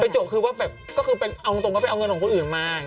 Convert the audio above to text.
ไปจกคือว่าก็คือไปเอาอุงตรงไปเอาเงินของคนอื่นมา